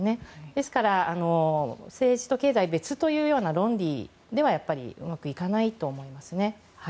ですから、政治と経済は別というような論理ではうまくいかないと思います。